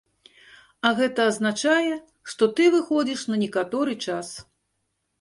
А гэта азначае, што ты выходзіш на некаторы час.